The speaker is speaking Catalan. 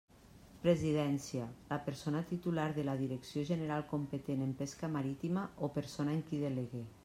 Presidència: la persona titular de la direcció general competent en pesca marítima o persona en qui delegue.